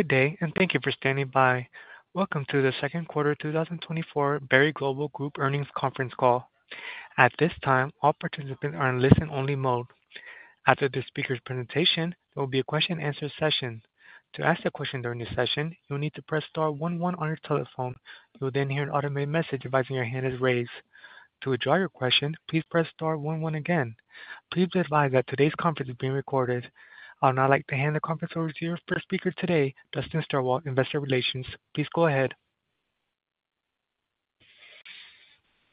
Good day, and thank you for standing by. Welcome to the second quarter 2024 Berry Global Group earnings conference call. At this time, all participants are in listen-only mode. After this speaker's presentation, there will be a question-and-answer session. To ask a question during this session, you'll need to press star one one on your telephone. You'll then hear an automated message advising your hand is raised. To withdraw your question, please press star one one again. Please be advised that today's conference is being recorded. I would now like to hand the conference over to your first speaker today, Dustin Stilwell, Investor Relations. Please go ahead.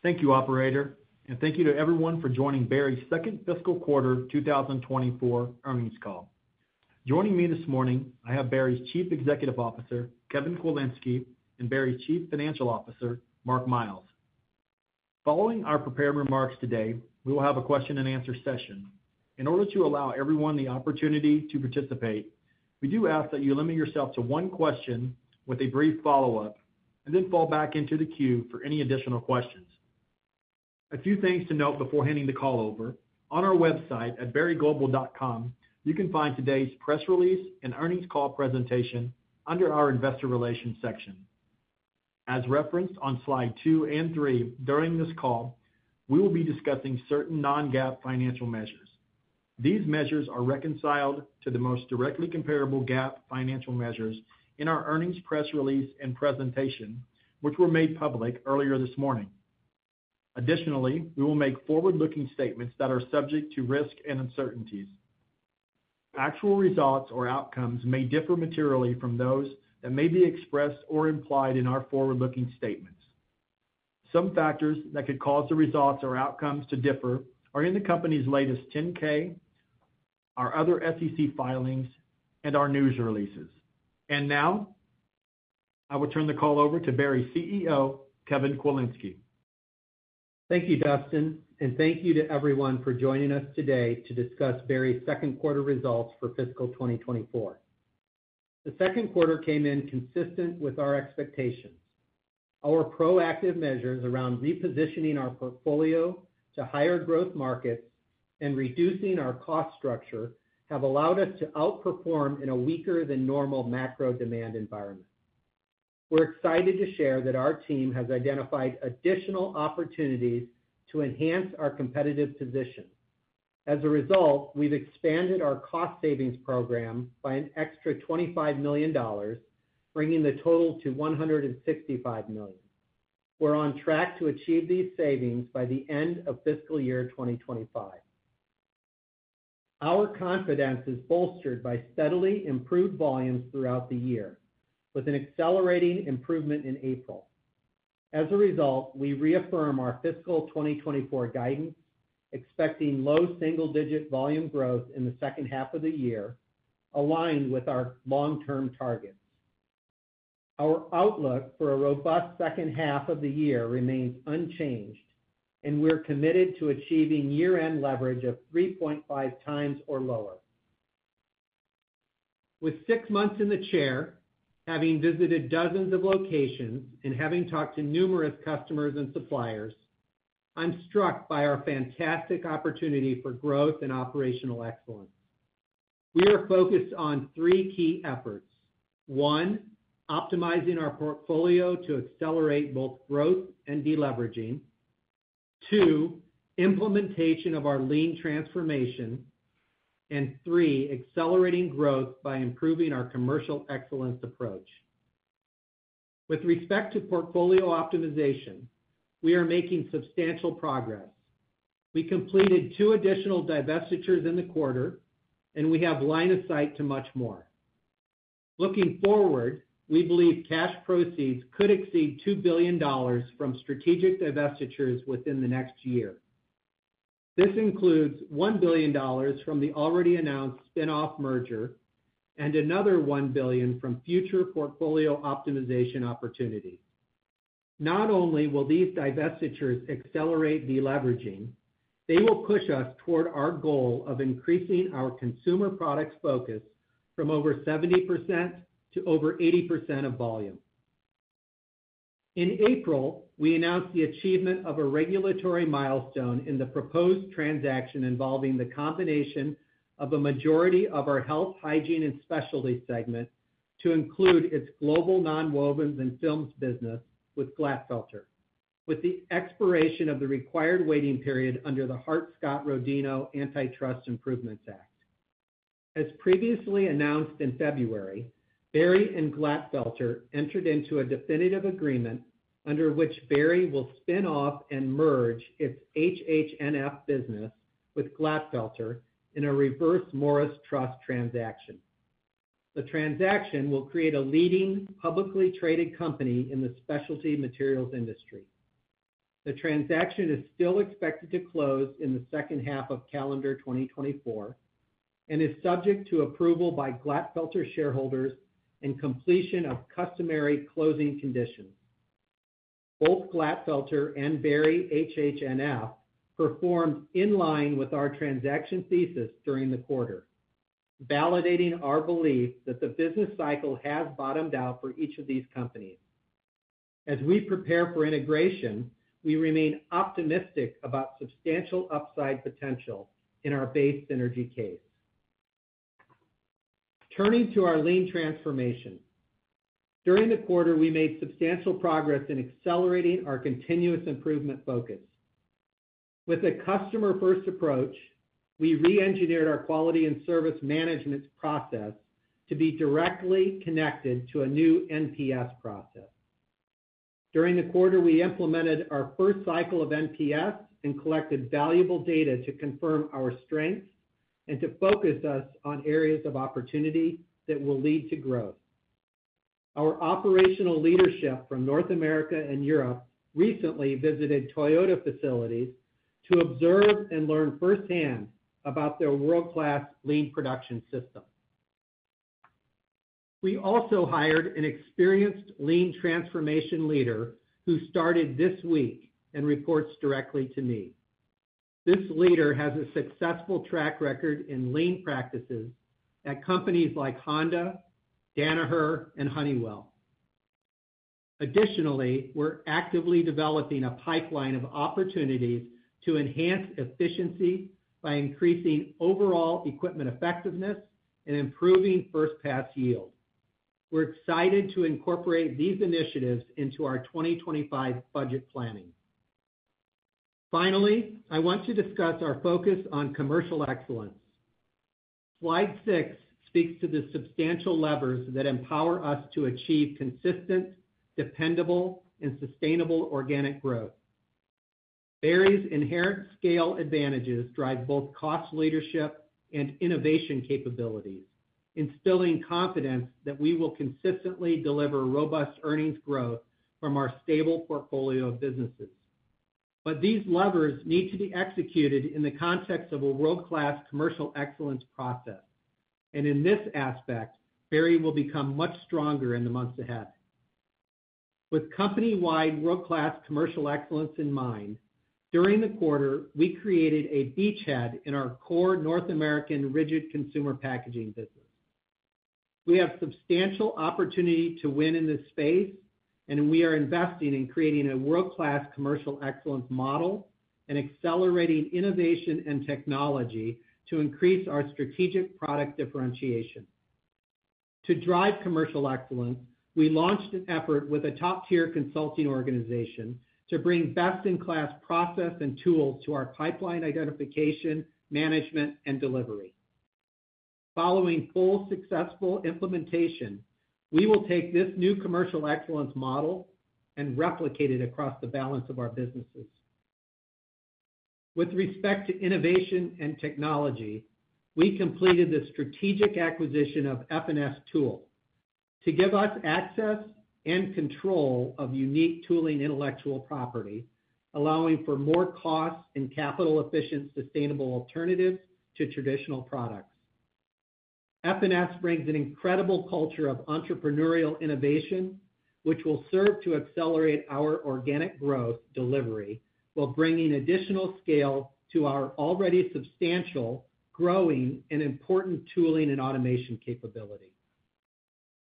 Thank you, operator, and thank you to everyone for joining Berry's second fiscal quarter 2024 earnings call. Joining me this morning, I have Berry's Chief Executive Officer, Kevin Kwilinski, and Berry's Chief Financial Officer, Mark Miles. Following our prepared remarks today, we will have a question-and-answer session. In order to allow everyone the opportunity to participate, we do ask that you limit yourself to one question with a brief follow-up and then fall back into the queue for any additional questions. A few things to note before handing the call over: on our website at berryglobal.com, you can find today's press release and earnings call presentation under our Investor Relations section. As referenced on slide 2 and 3 during this call, we will be discussing certain non-GAAP financial measures. These measures are reconciled to the most directly comparable GAAP financial measures in our earnings press release and presentation, which were made public earlier this morning. Additionally, we will make forward-looking statements that are subject to risk and uncertainties. Actual results or outcomes may differ materially from those that may be expressed or implied in our forward-looking statements. Some factors that could cause the results or outcomes to differ are in the company's latest 10-K, our other SEC filings, and our news releases. Now, I will turn the call over to Berry's CEO, Kevin Kwilinski. Thank you, Dustin, and thank you to everyone for joining us today to discuss Berry's second quarter results for fiscal 2024. The second quarter came in consistent with our expectations. Our proactive measures around repositioning our portfolio to higher growth markets and reducing our cost structure have allowed us to outperform in a weaker-than-normal macro demand environment. We're excited to share that our team has identified additional opportunities to enhance our competitive position. As a result, we've expanded our cost-savings program by an extra $25 million, bringing the total to $165 million. We're on track to achieve these savings by the end of fiscal year 2025. Our confidence is bolstered by steadily improved volumes throughout the year, with an accelerating improvement in April. As a result, we reaffirm our fiscal 2024 guidance, expecting low single-digit volume growth in the second half of the year, aligned with our long-term targets. Our outlook for a robust second half of the year remains unchanged, and we're committed to achieving year-end leverage of 3.5x or lower. With 6 months in the chair, having visited dozens of locations and having talked to numerous customers and suppliers, I'm struck by our fantastic opportunity for growth and operational excellence. We are focused on 3 key efforts: 1, optimizing our portfolio to accelerate both growth and deleveraging; 2, implementation of our lean transformation; and 3, accelerating growth by improving our commercial excellence approach. With respect to portfolio optimization, we are making substantial progress. We completed 2 additional divestitures in the quarter, and we have line of sight to much more. Looking forward, we believe cash proceeds could exceed $2 billion from strategic divestitures within the next year. This includes $1 billion from the already announced spinoff merger and another $1 billion from future portfolio optimization opportunities. Not only will these divestitures accelerate deleveraging, they will push us toward our goal of increasing our consumer products focus from over 70% to over 80% of volume. In April, we announced the achievement of a regulatory milestone in the proposed transaction involving the combination of a majority of our Health, Hygiene, and Specialties segment to include its Global Non-wovens and Films business with Glatfelter, with the expiration of the required waiting period under the Hart-Scott-Rodino Antitrust Improvements Act. As previously announced in February, Berry and Glatfelter entered into a definitive agreement under which Berry will spin off and merge its HHNF business with Glatfelter in a Reverse Morris Trust transaction. The transaction will create a leading publicly traded company in the specialty materials industry. The transaction is still expected to close in the second half of calendar 2024 and is subject to approval by Glatfelter shareholders and completion of customary closing conditions. Both Glatfelter and Berry HHNF performed in line with our transaction thesis during the quarter, validating our belief that the business cycle has bottomed out for each of these companies. As we prepare for integration, we remain optimistic about substantial upside potential in our base synergy case. Turning to our lean transformation. During the quarter, we made substantial progress in accelerating our continuous improvement focus. With a customer-first approach, we re-engineered our quality and service management process to be directly connected to a new NPS process. During the quarter, we implemented our first cycle of NPS and collected valuable data to confirm our strengths and to focus us on areas of opportunity that will lead to growth. Our operational leadership from North America and Europe recently visited Toyota facilities to observe and learn firsthand about their world-class lean production system. We also hired an experienced lean transformation leader who started this week and reports directly to me. This leader has a successful track record in lean practices at companies like Honda, Danaher, and Honeywell. Additionally, we're actively developing a pipeline of opportunities to enhance efficiency by increasing overall equipment effectiveness and improving first-pass yield. We're excited to incorporate these initiatives into our 2025 budget planning. Finally, I want to discuss our focus on commercial excellence. Slide 6 speaks to the substantial levers that empower us to achieve consistent, dependable, and sustainable organic growth. Berry's inherent scale advantages drive both cost leadership and innovation capabilities, instilling confidence that we will consistently deliver robust earnings growth from our stable portfolio of businesses. But these levers need to be executed in the context of a world-class commercial excellence process, and in this aspect, Berry will become much stronger in the months ahead. With company-wide world-class commercial excellence in mind, during the quarter, we created a beachhead in our core North American rigid consumer packaging business. We have substantial opportunity to win in this space, and we are investing in creating a world-class commercial excellence model and accelerating innovation and technology to increase our strategic product differentiation. To drive commercial excellence, we launched an effort with a top-tier consulting organization to bring best-in-class process and tools to our pipeline identification, management, and delivery. Following full successful implementation, we will take this new commercial excellence model and replicate it across the balance of our businesses. With respect to innovation and technology, we completed the strategic acquisition of F&S Tool to give us access and control of unique tooling intellectual property, allowing for more cost and capital-efficient sustainable alternatives to traditional products. F&S brings an incredible culture of entrepreneurial innovation, which will serve to accelerate our organic growth delivery while bringing additional scale to our already substantial, growing, and important tooling and automation capability.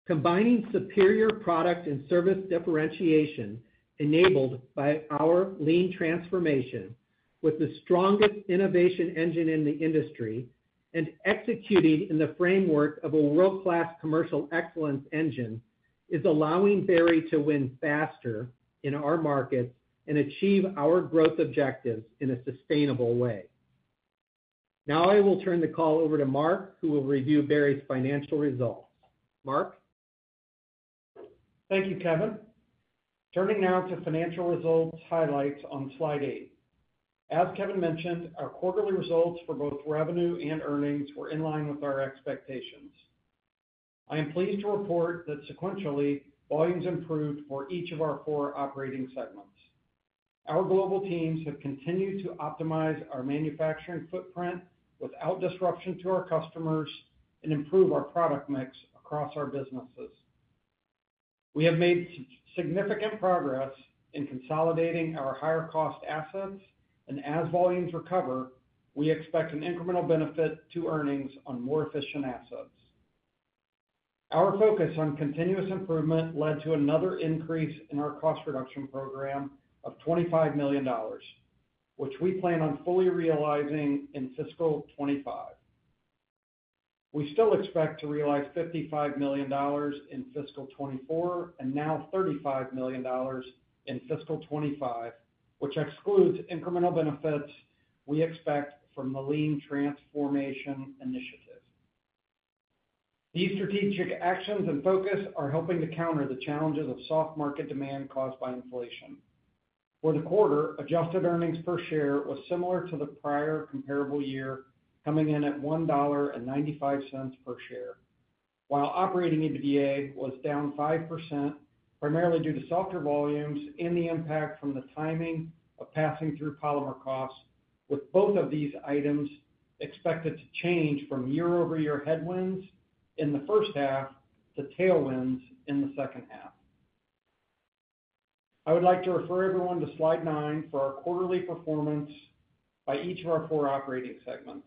Combining superior product and service differentiation enabled by our lean transformation with the strongest innovation engine in the industry and executing in the framework of a world-class commercial excellence engine is allowing Berry to win faster in our markets and achieve our growth objectives in a sustainable way. Now I will turn the call over to Mark, who will review Berry's financial results. Mark? Thank you, Kevin. Turning now to financial results highlights on slide 8. As Kevin mentioned, our quarterly results for both revenue and earnings were in line with our expectations. I am pleased to report that sequentially, volumes improved for each of our four operating segments. Our global teams have continued to optimize our manufacturing footprint without disruption to our customers and improve our product mix across our businesses. We have made significant progress in consolidating our higher-cost assets, and as volumes recover, we expect an incremental benefit to earnings on more efficient assets. Our focus on continuous improvement led to another increase in our cost reduction program of $25 million, which we plan on fully realizing in fiscal 2025. We still expect to realize $55 million in fiscal 2024 and now $35 million in fiscal 2025, which excludes incremental benefits we expect from the lean transformation initiative. These strategic actions and focus are helping to counter the challenges of soft market demand caused by inflation. For the quarter, adjusted earnings per share was similar to the prior comparable year, coming in at $1.95 per share, while operating EBITDA was down 5% primarily due to softer volumes and the impact from the timing of passing through polymer costs, with both of these items expected to change from year-over-year headwinds in the first half to tailwinds in the second half. I would like to refer everyone to slide 9 for our quarterly performance by each of our four operating segments.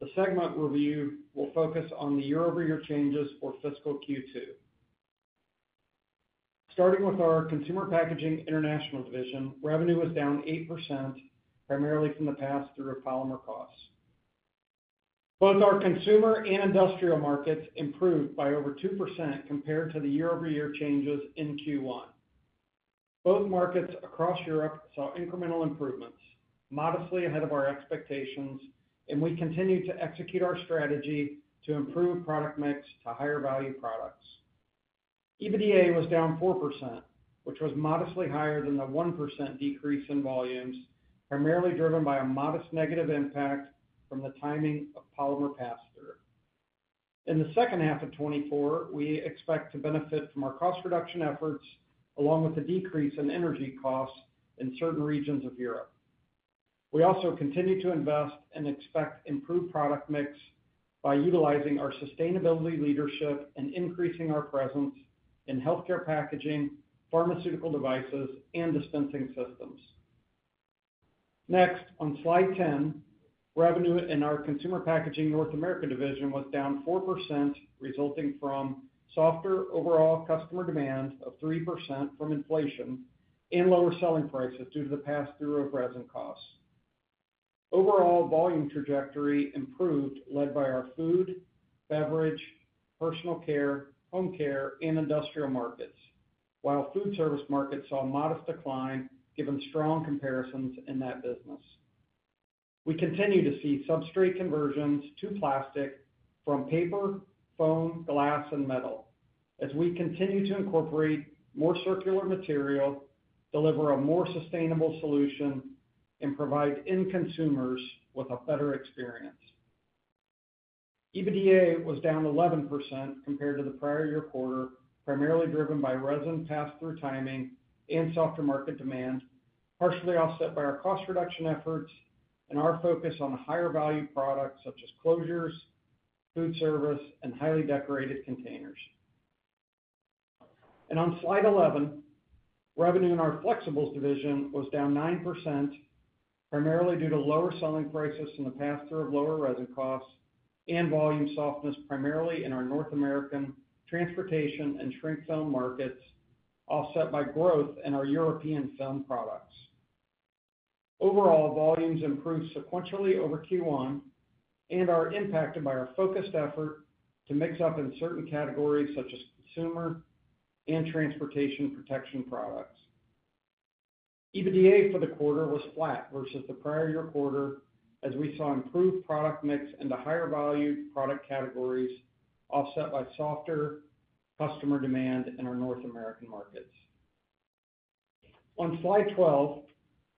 The segment review will focus on the year-over-year changes for fiscal Q2. Starting with our Consumer Packaging International division, revenue was down 8% primarily from the pass through of polymer costs. Both our consumer and industrial markets improved by over 2% compared to the year-over-year changes in Q1. Both markets across Europe saw incremental improvements, modestly ahead of our expectations, and we continue to execute our strategy to improve product mix to higher-value products. E was down 4%, which was modestly higher than the 1% decrease in volumes, primarily driven by a modest negative impact from the timing of polymer pass through. In the second half of 2024, we expect to benefit from our cost reduction efforts along with a decrease in energy costs in certain regions of Europe. We also continue to invest and expect improved product mix by utilizing our sustainability leadership and increasing our presence in healthcare packaging, pharmaceutical devices, and dispensing systems. Next, on slide 10, revenue in our Consumer Packaging North America division was down 4%, resulting from softer overall customer demand of 3% from inflation and lower selling prices due to the pass through of resin costs. Overall volume trajectory improved, led by our food, beverage, personal care, home care, and industrial markets, while food service markets saw a modest decline given strong comparisons in that business. We continue to see substrate conversions to plastic from paper, foam, glass, and metal as we continue to incorporate more circular material, deliver a more sustainable solution, and provide end consumers with a better experience. EBVA was down 11% compared to the prior year quarter, primarily driven by resin pass through timing and softer market demand, partially offset by our cost reduction efforts and our focus on higher-value products such as closures, food service, and highly decorated containers. On slide 11, revenue in our Flexibles division was down 9%, primarily due to lower selling prices in the pass through of lower resin costs and volume softness, primarily in our North American transportation and shrink film markets, offset by growth in our European film products. Overall, volumes improved sequentially over Q1 and are impacted by our focused effort to mix up in certain categories such as consumer and transportation protection products. EBVA for the quarter was flat versus the prior year quarter as we saw improved product mix and a higher-value product categories offset by softer customer demand in our North American markets. On slide 12,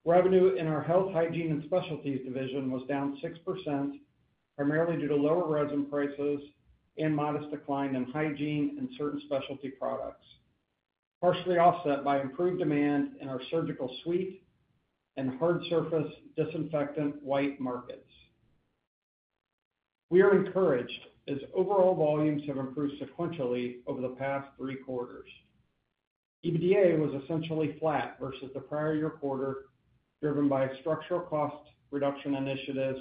revenue in our Health, Hygiene, and Specialties division was down 6%, primarily due to lower resin prices and modest decline in hygiene and certain specialty products, partially offset by improved demand in our surgical suite and hard-surface disinfectant wipe markets. We are encouraged as overall volumes have improved sequentially over the past three quarters. EBVA was essentially flat versus the prior year quarter, driven by structural cost reduction initiatives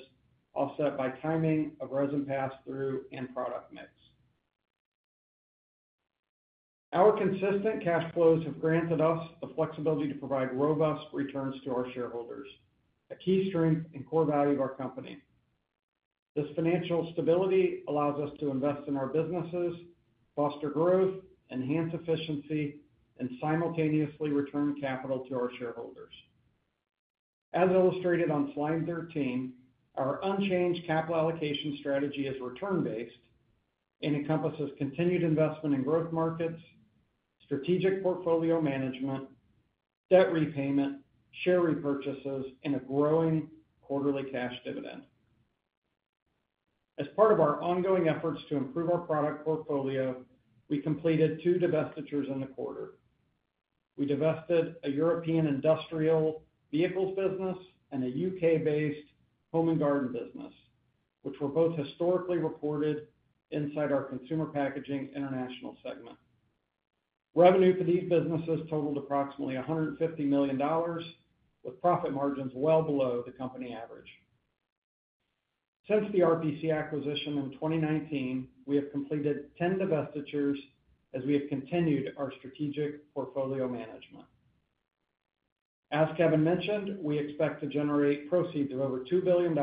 offset by timing of resin pass through and product mix. Our consistent cash flows have granted us the flexibility to provide robust returns to our shareholders, a key strength and core value of our company. This financial stability allows us to invest in our businesses, foster growth, enhance efficiency, and simultaneously return capital to our shareholders. As illustrated on slide 13, our unchanged capital allocation strategy is return-based and encompasses continued investment in growth markets, strategic portfolio management, debt repayment, share repurchases, and a growing quarterly cash dividend. As part of our ongoing efforts to improve our product portfolio, we completed two divestitures in the quarter. We divested a European industrial vehicles business and a U.K.-based home and garden business, which were both historically reported inside our Consumer Packaging International segment. Revenue for these businesses totaled approximately $150 million, with profit margins well below the company average. Since the RPC acquisition in 2019, we have completed 10 divestitures as we have continued our strategic portfolio management. As Kevin mentioned, we expect to generate proceeds of over $2 billion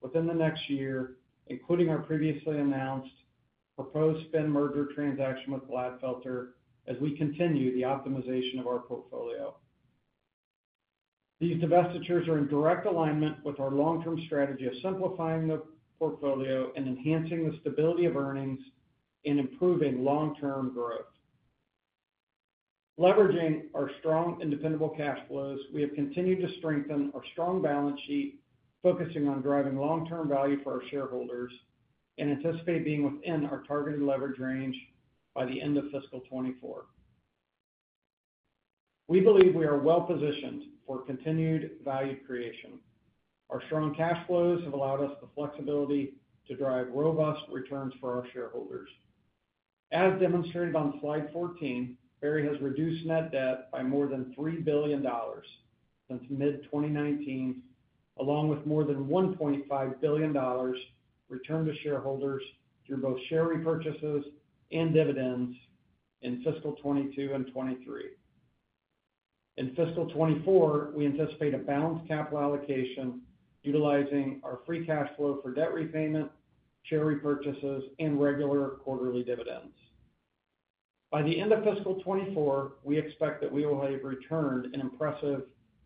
within the next year, including our previously announced proposed spin merger transaction with Glatfelter as we continue the optimization of our portfolio. These divestitures are in direct alignment with our long-term strategy of simplifying the portfolio and enhancing the stability of earnings and improving long-term growth. Leveraging our strong independent cash flows, we have continued to strengthen our strong balance sheet, focusing on driving long-term value for our shareholders and anticipate being within our targeted leverage range by the end of fiscal 2024. We believe we are well-positioned for continued value creation. Our strong cash flows have allowed us the flexibility to drive robust returns for our shareholders. As demonstrated on slide 14, Berry has reduced net debt by more than $3 billion since mid-2019, along with more than $1.5 billion returned to shareholders through both share repurchases and dividends in fiscal 2022 and 2023. In fiscal 2024, we anticipate a balanced capital allocation utilizing our free cash flow for debt repayment, share repurchases, and regular quarterly dividends. By the end of fiscal 2024, we expect that we will have returned an impressive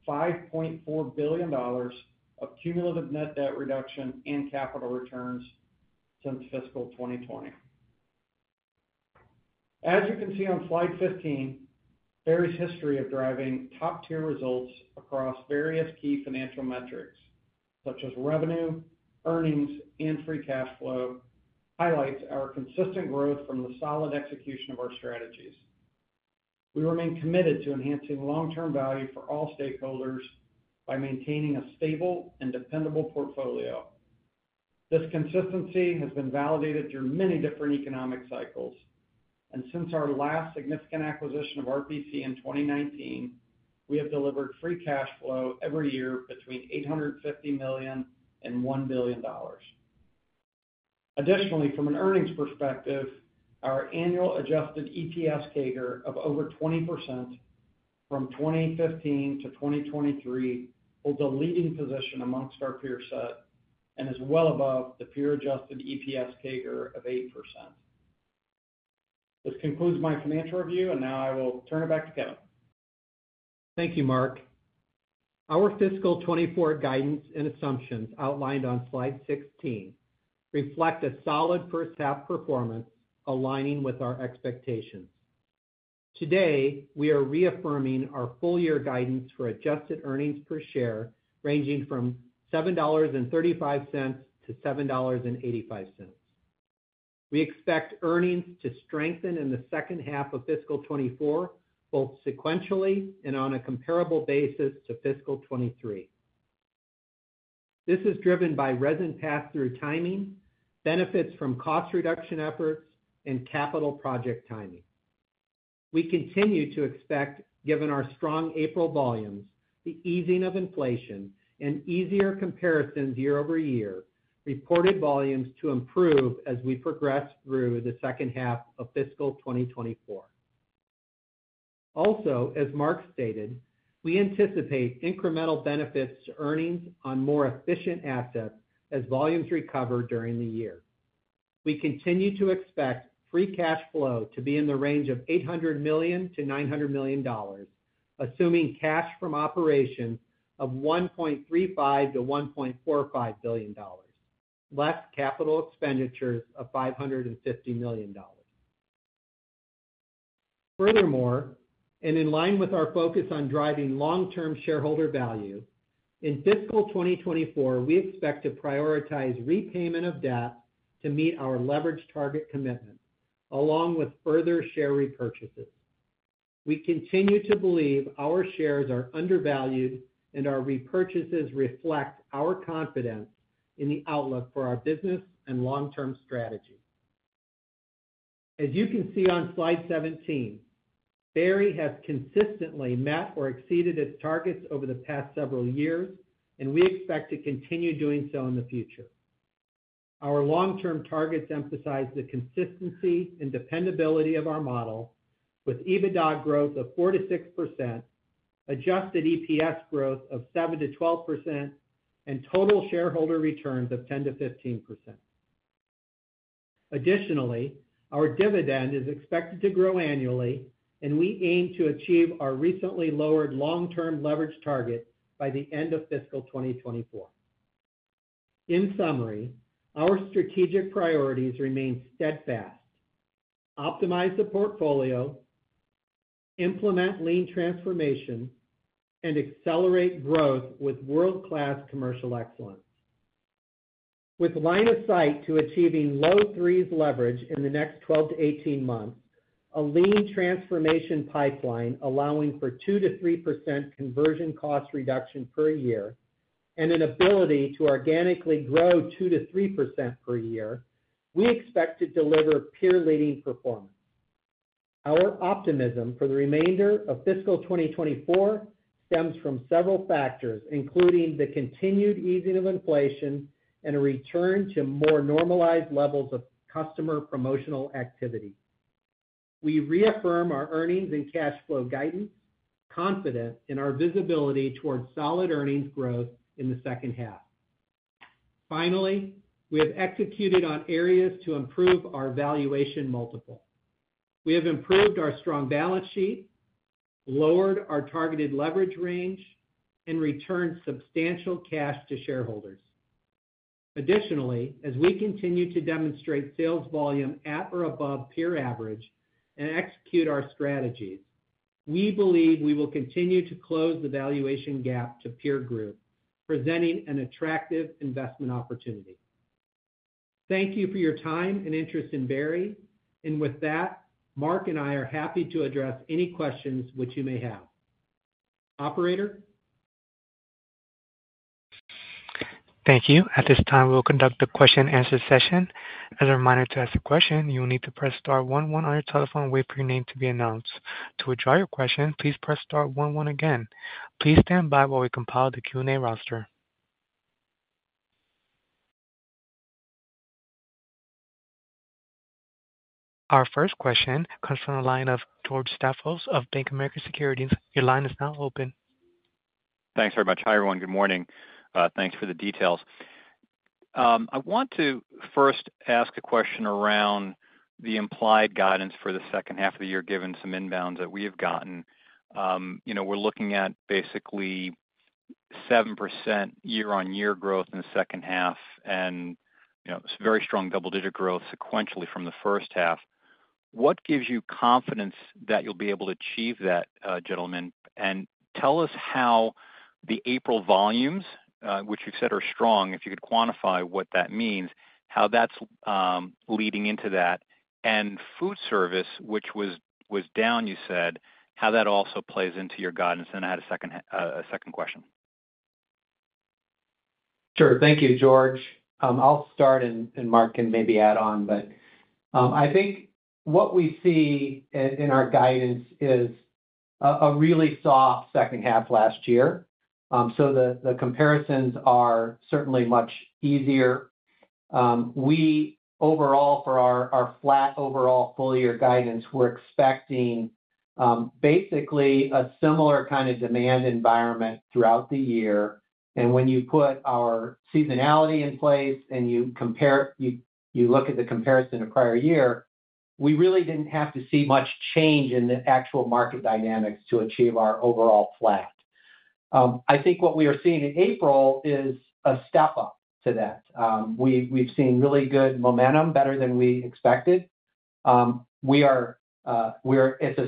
$5.4 billion of cumulative net debt reduction and capital returns since fiscal 2020. As you can see on slide 15, Berry's history of driving top-tier results across various key financial metrics such as revenue, earnings, and free cash flow highlights our consistent growth from the solid execution of our strategies. We remain committed to enhancing long-term value for all stakeholders by maintaining a stable and dependable portfolio. This consistency has been validated through many different economic cycles. Since our last significant acquisition of RPC in 2019, we have delivered free cash flow every year between $850 million and $1 billion. Additionally, from an earnings perspective, our annual adjusted EPS CAGR of over 20% from 2015 to 2023 holds a leading position amongst our peer set and is well above the peer-adjusted EPS CAGR of 8%. This concludes my financial review, and now I will turn it back to Kevin. Thank you, Mark. Our fiscal 2024 guidance and assumptions outlined on slide 16 reflect a solid first-half performance aligning with our expectations. Today, we are reaffirming our full-year guidance for adjusted earnings per share ranging from $7.35-$7.85. We expect earnings to strengthen in the second half of fiscal 2024, both sequentially and on a comparable basis to fiscal 2023. This is driven by resin pass through timing, benefits from cost reduction efforts, and capital project timing. We continue to expect, given our strong April volumes, the easing of inflation and easier comparisons year-over-year, reported volumes to improve as we progress through the second half of fiscal 2024. Also, as Mark stated, we anticipate incremental benefits to earnings on more efficient assets as volumes recover during the year. We continue to expect free cash flow to be in the range of $800 million-$900 million, assuming cash from operations of $1.35-$1.45 billion, less capital expenditures of $550 million. Furthermore, and in line with our focus on driving long-term shareholder value, in fiscal 2024, we expect to prioritize repayment of debt to meet our leverage target commitment, along with further share repurchases. We continue to believe our shares are undervalued, and our repurchases reflect our confidence in the outlook for our business and long-term strategy. As you can see on slide 17, Berry has consistently met or exceeded its targets over the past several years, and we expect to continue doing so in the future. Our long-term targets emphasize the consistency and dependability of our model, with EBITDA growth of 4%-6%, adjusted EPS growth of 7%-12%, and total shareholder returns of 10%-15%. Additionally, our dividend is expected to grow annually, and we aim to achieve our recently lowered long-term leverage target by the end of fiscal 2024. In summary, our strategic priorities remain steadfast: optimize the portfolio, implement lean transformation, and accelerate growth with world-class commercial excellence. With line of sight to achieving low-threes leverage in the next 12-18 months, a lean transformation pipeline allowing for 2%-3% conversion cost reduction per year, and an ability to organically grow 2%-3% per year, we expect to deliver peer-leading performance. Our optimism for the remainder of fiscal 2024 stems from several factors, including the continued easing of inflation and a return to more normalized levels of customer promotional activity. We reaffirm our earnings and cash flow guidance, confident in our visibility towards solid earnings growth in the second half. Finally, we have executed on areas to improve our valuation multiple. We have improved our strong balance sheet, lowered our targeted leverage range, and returned substantial cash to shareholders. Additionally, as we continue to demonstrate sales volume at or above peer average and execute our strategies, we believe we will continue to close the valuation gap to peer group, presenting an attractive investment opportunity. Thank you for your time and interest in Berry. And with that, Mark and I are happy to address any questions which you may have. Operator? Thank you. At this time, we will conduct the question-and-answer session. As a reminder, to ask a question, you will need to press star one one one on your telephone and wait for your name to be announced. To withdraw your question, please press star one one again. Please stand by while we compile the Q&A roster. Our first question comes from the line of George Staphos of Bank of America Securities. Your line is now open. Thanks very much. Hi everyone. Good morning. Thanks for the details. I want to first ask a question around the implied guidance for the second half of the year, given some inbounds that we have gotten. We're looking at basically 7% year-on-year growth in the second half and very strong double-digit growth sequentially from the first half. What gives you confidence that you'll be able to achieve that, gentlemen? And tell us how the April volumes, which you've said are strong, if you could quantify what that means, how that's leading into that. And food service, which was down, you said, how that also plays into your guidance. And I had a second question. Sure. Thank you, George. I'll start, and Mark can maybe add on. But I think what we see in our guidance is a really soft second half last year. So the comparisons are certainly much easier. Overall, for our flat overall full-year guidance, we're expecting basically a similar kind of demand environment throughout the year. And when you put our seasonality in place and you look at the comparison to prior year, we really didn't have to see much change in the actual market dynamics to achieve our overall flat. I think what we are seeing in April is a step up to that. We've seen really good momentum, better than we expected. It's a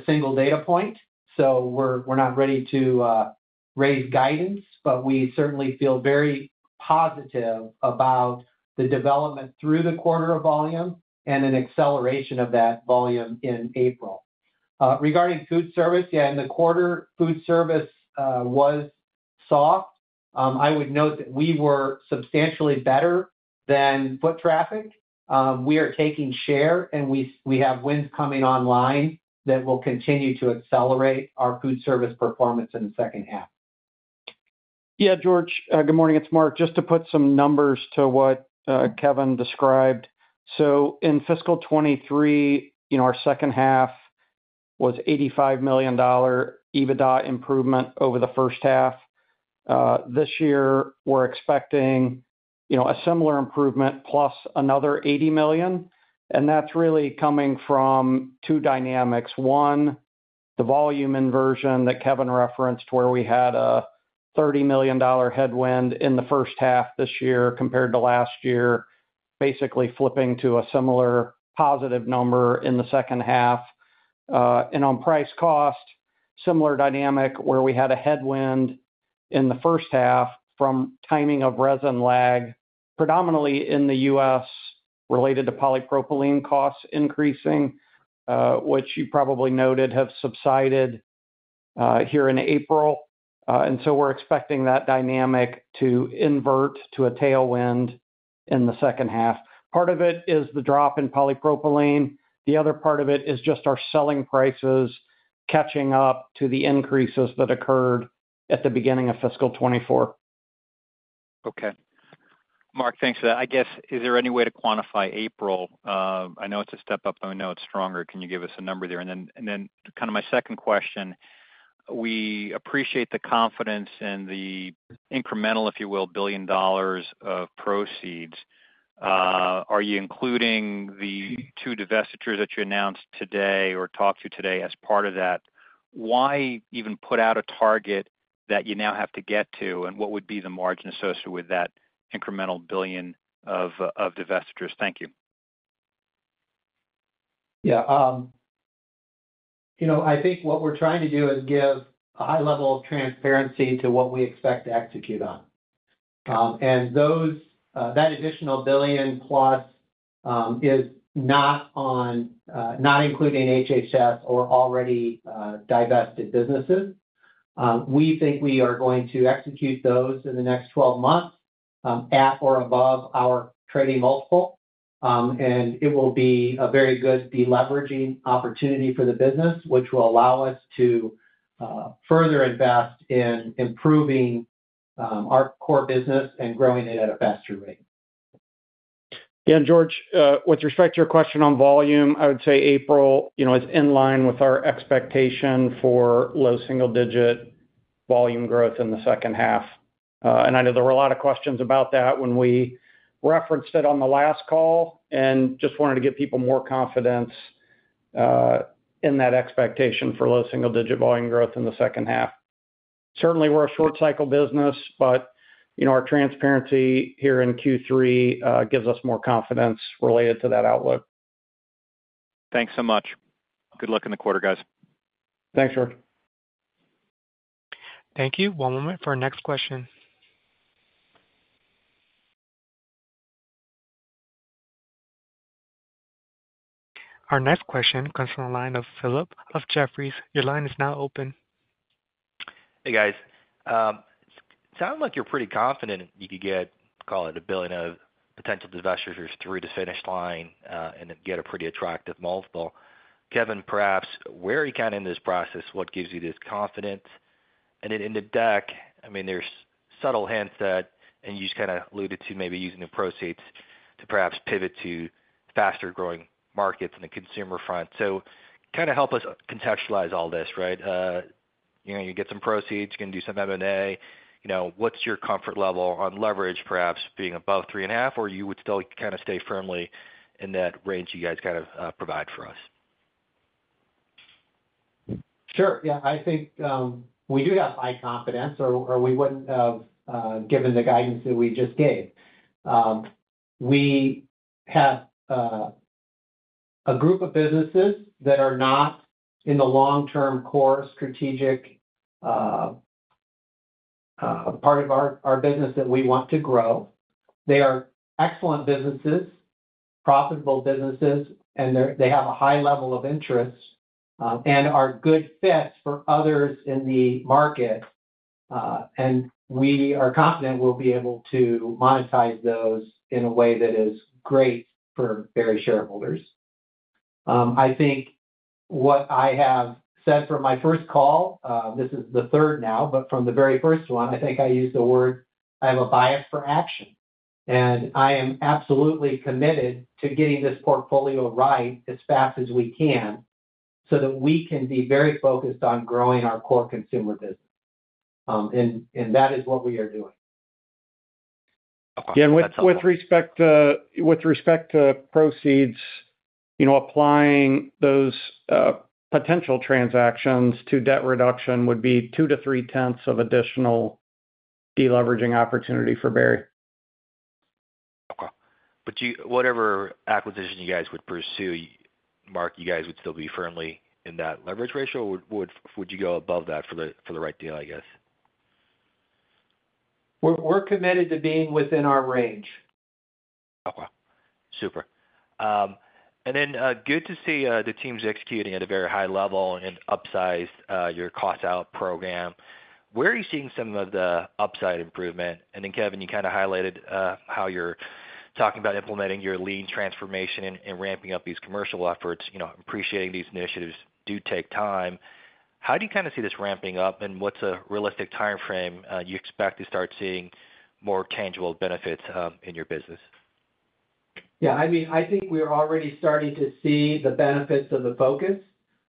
single data point, so we're not ready to raise guidance. But we certainly feel very positive about the development through the quarter of volume and an acceleration of that volume in April. Regarding food service, yeah, in the quarter, food service was soft. I would note that we were substantially better than foot traffic. We are taking share, and we have wins coming online that will continue to accelerate our food service performance in the second half. Yeah, George. Good morning. It's Mark. Just to put some numbers to what Kevin described. So in fiscal 2023, our second half was $85 million EBITDA improvement over the first half. This year, we're expecting a similar improvement plus another $80 million. And that's really coming from two dynamics. One, the volume inversion that Kevin referenced where we had a $30 million headwind in the first half this year compared to last year, basically flipping to a similar positive number in the second half. And on price-cost, similar dynamic where we had a headwind in the first half from timing of resin lag, predominantly in the U.S. related to polypropylene costs increasing, which you probably noted have subsided here in April. And so we're expecting that dynamic to invert to a tailwind in the second half. Part of it is the drop in polypropylene. The other part of it is just our selling prices catching up to the increases that occurred at the beginning of fiscal 2024. Okay. Mark, thanks for that. I guess, is there any way to quantify April? I know it's a step up, but I know it's stronger. Can you give us a number there? And then kind of my second question, we appreciate the confidence and the incremental, if you will, $1 billion of proceeds. Are you including the two divestitures that you announced today or talked to today as part of that? Why even put out a target that you now have to get to, and what would be the margin associated with that incremental $1 billion of divestitures? Thank you. Yeah. I think what we're trying to do is give a high level of transparency to what we expect to execute on. That additional $1 billion plus is not including HHS or already divested businesses. We think we are going to execute those in the next 12 months at or above our trading multiple. And it will be a very good deleveraging opportunity for the business, which will allow us to further invest in improving our core business and growing it at a faster rate. Yeah, and George, with respect to your question on volume, I would say April is in line with our expectation for low single-digit volume growth in the second half. I know there were a lot of questions about that when we referenced it on the last call and just wanted to get people more confidence in that expectation for low single-digit volume growth in the second half. Certainly, we're a short-cycle business, but our transparency here in Q3 gives us more confidence related to that outlook. Thanks so much. Good luck in the quarter, guys. Thanks, George. Thank you. One moment for our next question. Our next question comes from the line of Philip of Jefferies. Your line is now open. Hey, guys. Sounds like you're pretty confident you could get, call it $1 billion of potential divestitures through the finish line and get a pretty attractive multiple. Kevin, perhaps, where are you kind of in this process? What gives you this confidence? And in the deck, I mean, there's subtle hints that, and you just kind of alluded to maybe using the proceeds to perhaps pivot to faster-growing markets on the consumer front. So kind of help us contextualize all this, right? You get some proceeds, you're going to do some M&A. What's your comfort level on leverage, perhaps being above 3.5, or you would still kind of stay firmly in that range you guys kind of provide for us? Sure. Yeah. I think we do have high confidence, or we wouldn't have given the guidance that we just gave. We have a group of businesses that are not in the long-term core strategic part of our business that we want to grow. They are excellent businesses, profitable businesses, and they have a high level of interest and are good fits for others in the market. And we are confident we'll be able to monetize those in a way that is great for Berry shareholders. I think what I have said from my first call, this is the third now, but from the very first one, I think I used the word, "I have a bias for action." And I am absolutely committed to getting this portfolio right as fast as we can so that we can be very focused on growing our core consumer business. That is what we are doing. Yeah, and with respect to proceeds, applying those potential transactions to debt reduction would be 0.2-0.3 of additional deleveraging opportunity for Berry. Okay. But whatever acquisition you guys would pursue, Mark, you guys would still be firmly in that leverage ratio, or would you go above that for the right deal, I guess? We're committed to being within our range. Okay. Super. And then good to see the team's executing at a very high level and upsized your cost-out program. Where are you seeing some of the upside improvement? And then, Kevin, you kind of highlighted how you're talking about implementing your Lean Transformation and ramping up these commercial efforts, appreciating these initiatives do take time. How do you kind of see this ramping up, and what's a realistic timeframe you expect to start seeing more tangible benefits in your business? Yeah. I mean, I think we're already starting to see the benefits of the focus.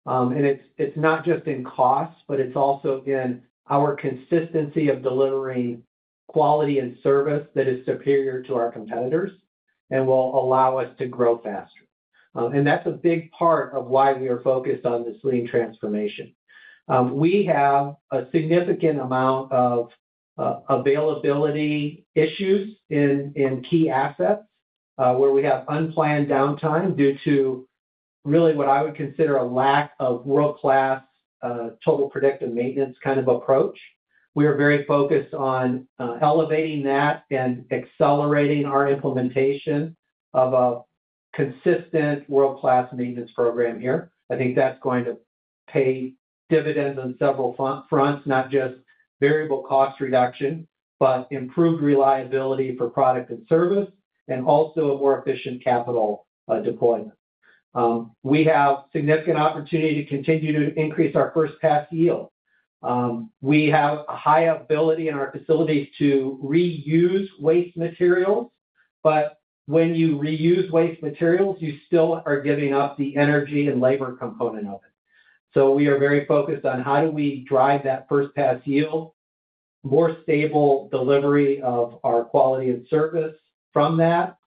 It's not just in cost, but it's also in our consistency of delivering quality and service that is superior to our competitors and will allow us to grow faster. That's a big part of why we are focused on this lean transformation. We have a significant amount of availability issues in key assets where we have unplanned downtime due to really what I would consider a lack of world-class total predictive maintenance kind of approach. We are very focused on elevating that and accelerating our implementation of a consistent world-class maintenance program here. I think that's going to pay dividends on several fronts, not just variable cost reduction, but improved reliability for product and service and also a more efficient capital deployment. We have significant opportunity to continue to increase our first-pass yield. We have a high ability in our facilities to reuse waste materials. But when you reuse waste materials, you still are giving up the energy and labor component of it. So we are very focused on how do we drive that first-pass yield, more stable delivery of our quality and service from that,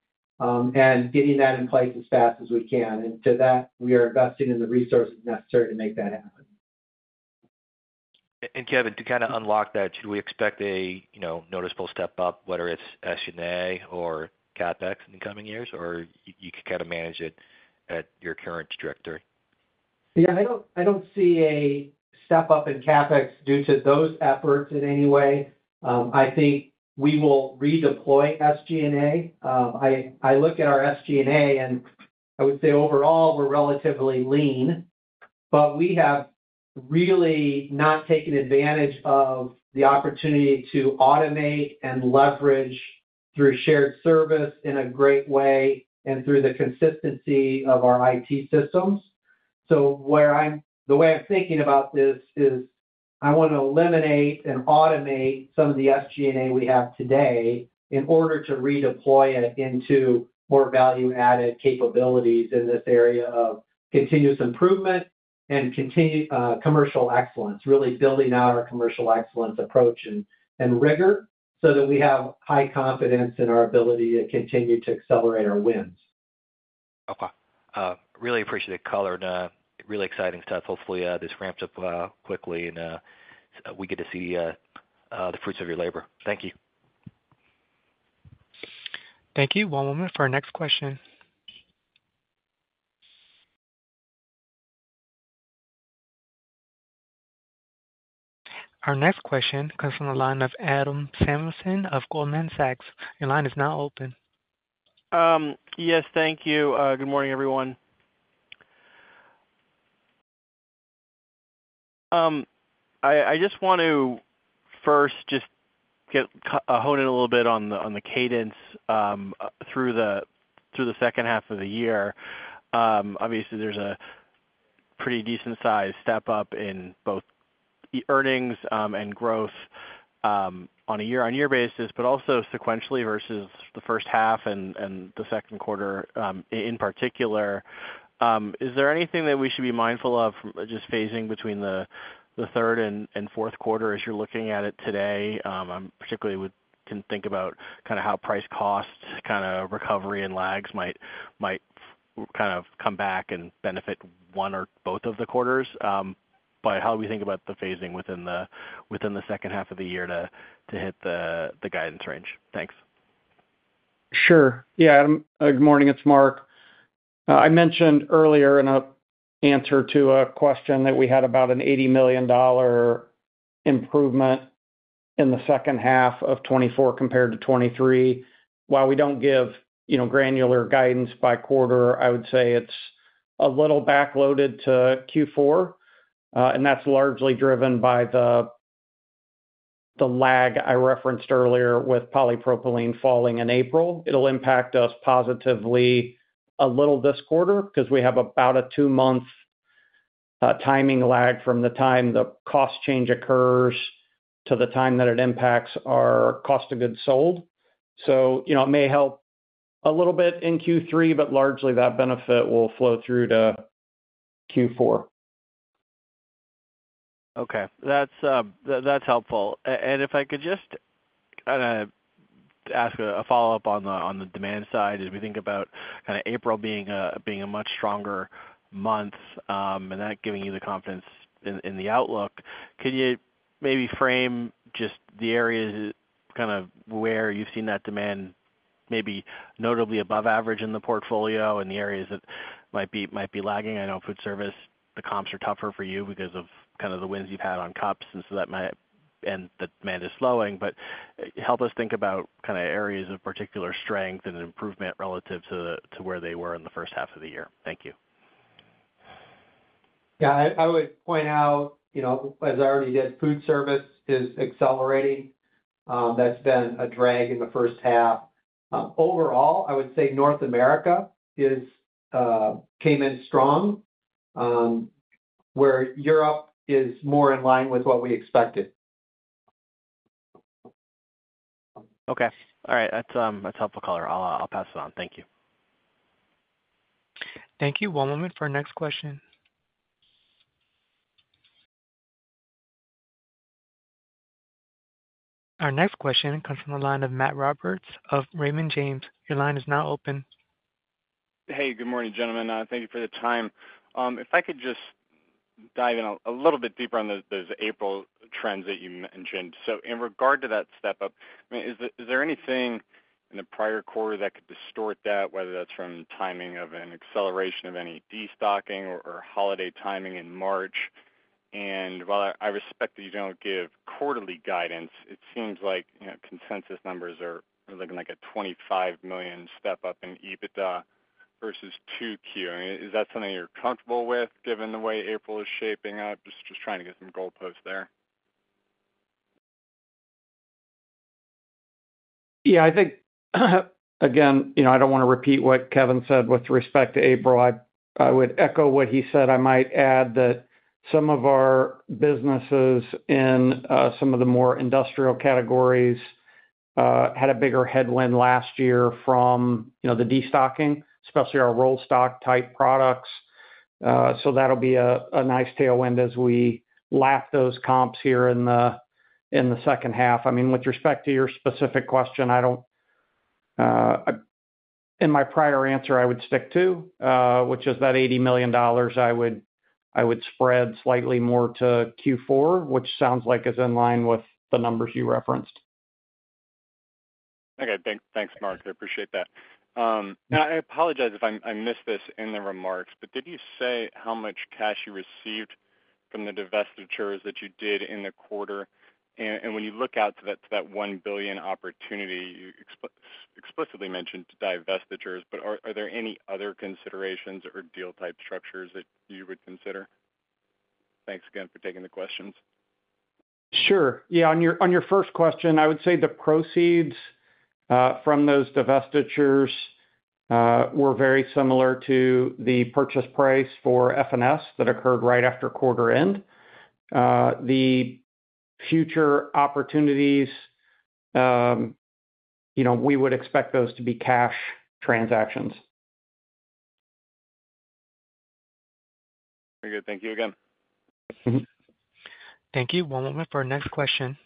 and getting that in place as fast as we can. And to that, we are investing in the resources necessary to make that happen. Kevin, to kind of unlock that, should we expect a noticeable step up, whether it's SG&A or CapEx in the coming years, or you could kind of manage it at your current trajectory? Yeah. I don't see a step up in CapEx due to those efforts in any way. I think we will redeploy SG&A. I look at our SG&A, and I would say overall, we're relatively lean. But we have really not taken advantage of the opportunity to automate and leverage through shared service in a great way and through the consistency of our IT systems. So the way I'm thinking about this is I want to eliminate and automate some of the SG&A we have today in order to redeploy it into more value-added capabilities in this area of continuous improvement and commercial excellence, really building out our commercial excellence approach and rigor so that we have high confidence in our ability to continue to accelerate our wins. Okay. Really appreciate it, Color. Really exciting stuff. Hopefully, this ramps up quickly, and we get to see the fruits of your labor. Thank you. Thank you. One moment for our next question. Our next question comes from the line of Adam Samuelson of Goldman Sachs. Your line is now open. Yes. Thank you. Good morning, everyone. I just want to first just hone in a little bit on the cadence through the second half of the year. Obviously, there's a pretty decent-sized step up in both earnings and growth on a year-over-year basis, but also sequentially versus the first half and the second quarter in particular. Is there anything that we should be mindful of just phasing between the third and fourth quarter as you're looking at it today? I particularly can think about kind of how price-cost kind of recovery and lags might kind of come back and benefit one or both of the quarters. But how do we think about the phasing within the second half of the year to hit the guidance range? Thanks. Sure. Yeah, Adam. Good morning. It's Mark. I mentioned earlier in an answer to a question that we had about an $80 million improvement in the second half of 2024 compared to 2023. While we don't give granular guidance by quarter, I would say it's a little backloaded to Q4. And that's largely driven by the lag I referenced earlier with polypropylene falling in April. It'll impact us positively a little this quarter because we have about a two-month timing lag from the time the cost change occurs to the time that it impacts our cost of goods sold. So it may help a little bit in Q3, but largely, that benefit will flow through to Q4. Okay. That's helpful. If I could just kind of ask a follow-up on the demand side, as we think about kind of April being a much stronger month and that giving you the confidence in the outlook, could you maybe frame just the areas kind of where you've seen that demand maybe notably above average in the portfolio and the areas that might be lagging? I know food service, the comps are tougher for you because of kind of the wins you've had on cups, and so that might and the demand is slowing. But help us think about kind of areas of particular strength and improvement relative to where they were in the first half of the year. Thank you. Yeah. I would point out, as I already did, food service is accelerating. That's been a drag in the first half. Overall, I would say North America came in strong, where Europe is more in line with what we expected. Okay. All right. That's helpful, Color. I'll pass it on. Thank you. Thank you. One moment for our next question. Our next question comes from the line of Matthew Roberts of Raymond James. Your line is now open. Hey. Good morning, gentlemen. Thank you for the time. If I could just dive in a little bit deeper on those April trends that you mentioned. So in regard to that step-up, I mean, is there anything in the prior quarter that could distort that, whether that's from timing of an acceleration of any destocking or holiday timing in March? While I respect that you don't give quarterly guidance, it seems like consensus numbers are looking like a $25 million step-up in EBITDA versus 2Q. I mean, is that something you're comfortable with given the way April is shaping up? Just trying to get some goalposts there. Yeah. I think, again, I don't want to repeat what Kevin said with respect to April. I would echo what he said. I might add that some of our businesses in some of the more industrial categories had a bigger headwind last year from the destocking, especially our roll stock type products. So that'll be a nice tailwind as we lap those comps here in the second half. I mean, with respect to your specific question, in my prior answer, I would stick to, which is that $80 million I would spread slightly more to Q4, which sounds like is in line with the numbers you referenced. Okay. Thanks, Mark. I appreciate that. Now, I apologize if I missed this in the remarks, but did you say how much cash you received from the divestitures that you did in the quarter? And when you look out to that $1 billion opportunity, you explicitly mentioned divestitures. But are there any other considerations or deal-type structures that you would consider? Thanks again for taking the questions. Sure. Yeah. On your first question, I would say the proceeds from those divestitures were very similar to the purchase price for F&S that occurred right after quarter end. The future opportunities, we would expect those to be cash transactions. Very good. Thank you again. Thank you. One moment for our next question.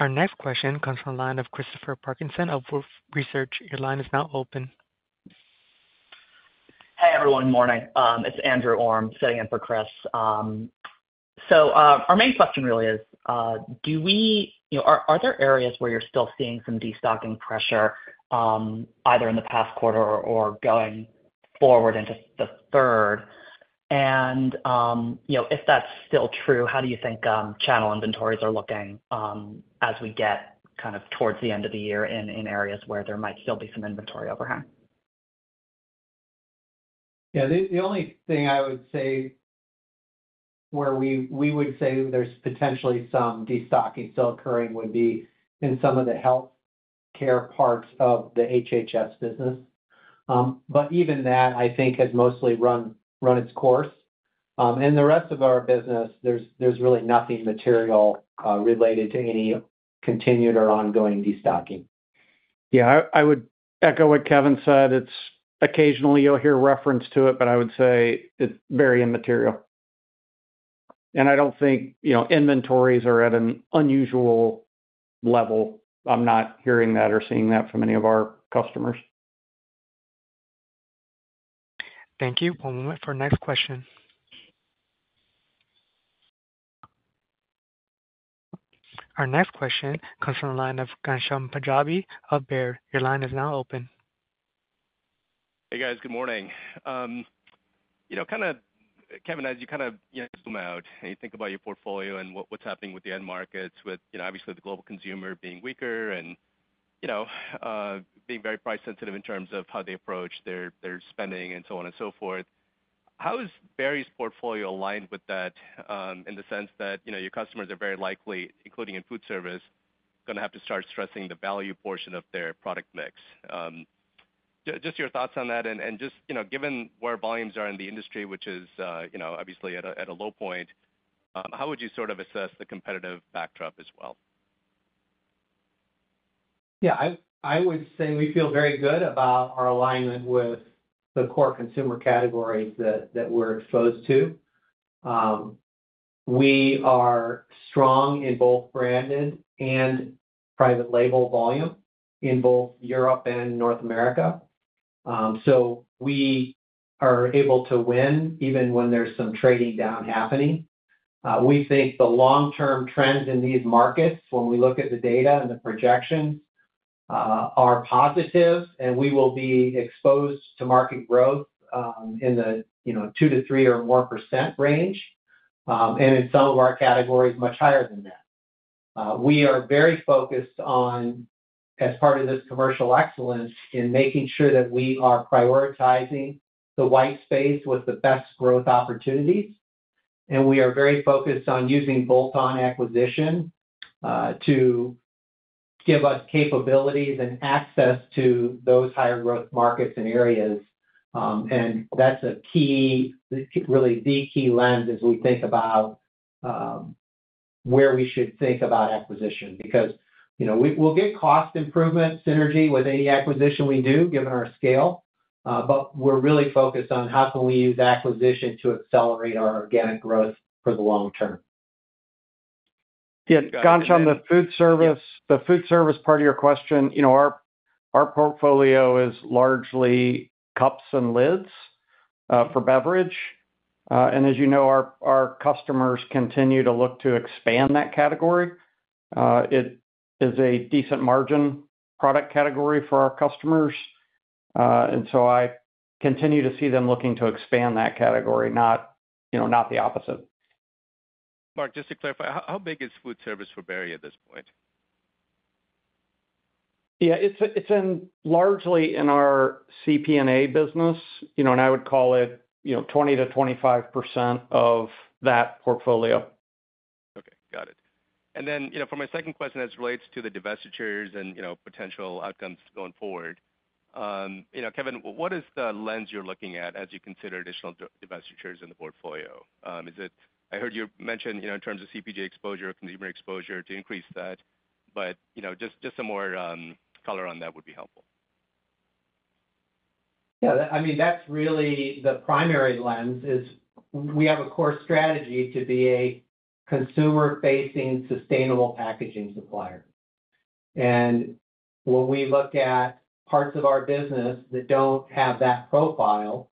Our next question comes from the line of Christopher Parkinson of Wolfe Research. Your line is now open. Hey, everyone. Good morning. It's Andrew Orin sitting in for Chris. Our main question really is, are there areas where you're still seeing some destocking pressure either in the past quarter or going forward into the third? And if that's still true, how do you think channel inventories are looking as we get kind of towards the end of the year in areas where there might still be some inventory overhang? Yeah. The only thing I would say where we would say there's potentially some destocking still occurring would be in some of the healthcare parts of the HHS business. But even that, I think, has mostly run its course. In the rest of our business, there's really nothing material related to any continued or ongoing destocking. Yeah. I would echo what Kevin said. Occasionally, you'll hear reference to it, but I would say it's very immaterial. I don't think inventories are at an unusual level. I'm not hearing that or seeing that from any of our customers. Thank you. One moment for our next question. Our next question comes from the line of Ghansham Panjabi of Berry. Your line is now open. Hey, guys. Good morning. Kevin, as you kind of zoom out and you think about your portfolio and what's happening with the end markets, with obviously the global consumer being weaker and being very price-sensitive in terms of how they approach their spending and so on and so forth, how is Berry's portfolio aligned with that in the sense that your customers are very likely, including in food service, going to have to start stressing the value portion of their product mix? Just your thoughts on that. Just given where volumes are in the industry, which is obviously at a low point, how would you sort of assess the competitive backdrop as well? Yeah. I would say we feel very good about our alignment with the core consumer categories that we're exposed to. We are strong in both branded and private label volume in both Europe and North America. So we are able to win even when there's some trading down happening. We think the long-term trends in these markets, when we look at the data and the projections, are positive, and we will be exposed to market growth in the 2%-3% or more range and in some of our categories much higher than that. We are very focused on, as part of this commercial excellence, in making sure that we are prioritizing the white space with the best growth opportunities. And we are very focused on using bolt-on acquisition to give us capabilities and access to those higher growth markets and areas. That's really the key lens as we think about where we should think about acquisition because we'll get cost improvement synergy with any acquisition we do given our scale, but we're really focused on how can we use acquisition to accelerate our organic growth for the long term. Yeah. Ghansham, the food service part of your question, our portfolio is largely cups and lids for beverage. And as you know, our customers continue to look to expand that category. It is a decent margin product category for our customers. And so I continue to see them looking to expand that category, not the opposite. Mark, just to clarify, how big is food service for Berry at this point? Yeah. It's largely in our CP&A business, and I would call it 20%-25% of that portfolio. Okay. Got it. And then for my second question, as it relates to the divestitures and potential outcomes going forward, Kevin, what is the lens you're looking at as you consider additional divestitures in the portfolio? I heard you mention in terms of CPG exposure or consumer exposure to increase that, but just some more color on that would be helpful. Yeah. I mean, the primary lens is we have a core strategy to be a consumer-facing sustainable packaging supplier. And when we look at parts of our business that don't have that profile,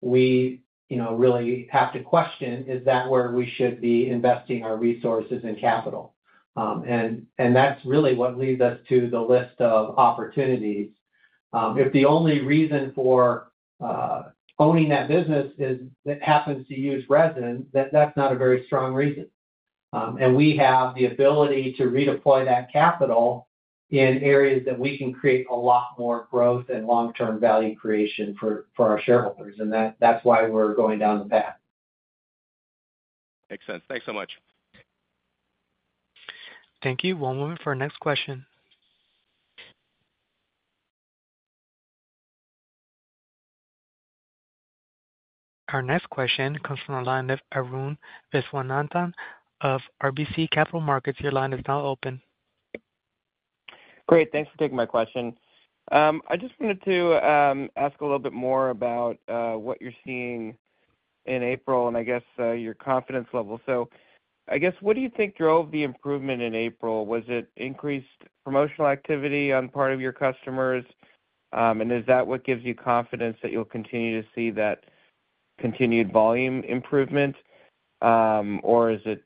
we really have to question, "Is that where we should be investing our resources and capital?" And that's really what leads us to the list of opportunities. If the only reason for owning that business is that it happens to use resin, that's not a very strong reason. And we have the ability to redeploy that capital in areas that we can create a lot more growth and long-term value creation for our shareholders. And that's why we're going down the path. Makes sense. Thanks so much. Thank you. One moment for our next question. Our next question comes from the line of Arun Viswanathan of RBC Capital Markets. Your line is now open. Great. Thanks for taking my question. I just wanted to ask a little bit more about what you're seeing in April and, I guess, your confidence level. So I guess, what do you think drove the improvement in April? Was it increased promotional activity on the part of your customers? And is that what gives you confidence that you'll continue to see that continued volume improvement, or is it